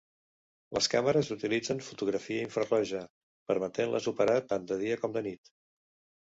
Les càmeres utilitzen fotografia infraroja, permetent-les operar tant de dia com de nit.